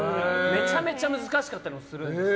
めちゃめちゃ難しかったりもするんです。